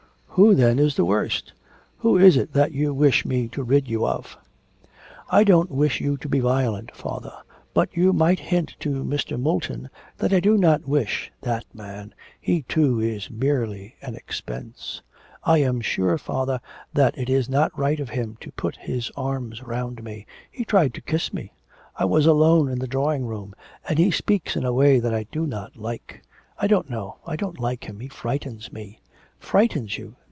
'Who, then, is the worst? Who is it that you wish me to rid you of?' 'I don't wish you to be violent, father, but you might hint to Mr. Moulton that I do not wish ' 'That man he, too, is merely an expense.' 'I am sure, father, that it is not right of him to put his arms round me he tried to kiss me. I was alone in the drawing room. And he speaks in a way that I do not like I don't know.... I don't like him; he frightens me.' 'Frightens you!